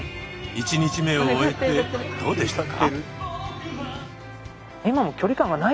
１日目を終えてどうでしたか？